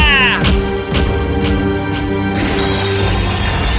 aku sudah menang